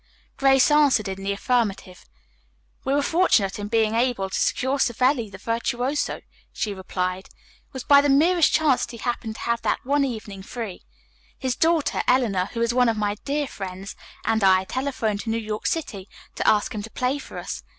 Grace answered in the affirmative. "We were fortunate in being able to secure Savelli, the virtuoso," she replied. "It was by the merest chance that he happened to have that one evening free. His daughter, Eleanor, who is one of my dear friends, and I telephoned to New York City to ask him to play for us.